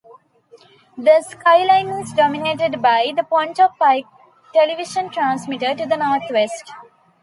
The skyline is dominated by the Pontop Pike Television Transmitter to the northwest.